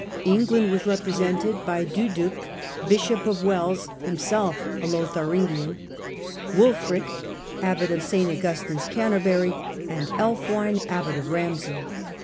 England was represented by Duduc, bishop of Wells (himself a Lotharingian), Wul fric, abbot of St. Augustine's, Canterbury, and ^Ifwine, abbot of Ramsey.